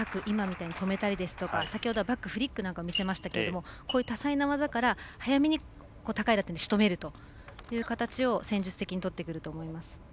今みたいに止めたりですとか先ほどはバック、フリックなんか見せましたけどこういう多彩な技から早めに高い打点でしとめるという形を戦術的にとってくると思います。